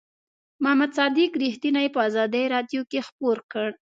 محمد صادق رښتیني په آزادۍ رادیو کې خپور کړ.